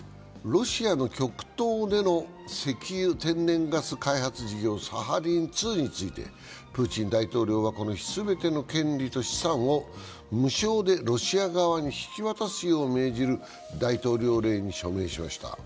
ロシアの極東での石油天然ガスかは事業、サハリン２についてプーチン大統領はこの日、全ての権利と資産を無償でロシア側に引き渡すよう命じる大統領令に署名しました。